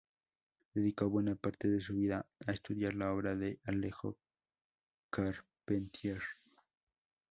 Dedicó buena parte de su vida a estudiar la obra de Alejo Carpentier.